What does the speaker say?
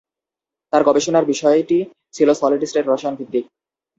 তাঁর গবেষণার বিষয়টি ছিল সলিড স্টেট রসায়ন ভিত্তিক।